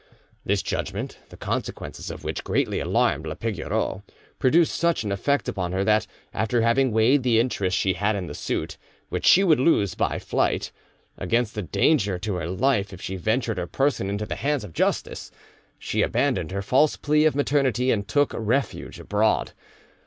This judgment, the consequences of which greatly alarmed la Pigoreau, produced such an effect upon her that, after having weighed the interest she had in the suit, which she would lose by flight, against the danger to her life if she ventured her person into the hands of justice, she abandoned her false plea of maternity, and took refuge abroad.